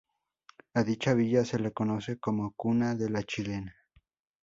A dicha villa se le conoce como cuna de la chilena.